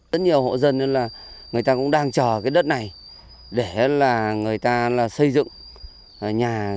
rất nhiều hộ dân người ta cũng đang chờ đất này để người ta xây dựng nhà